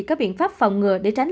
các biện pháp phòng ngừa để tránh